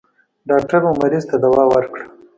ډاکټر و مريض ته دوا ورکړه.